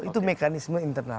itu mekanisme internal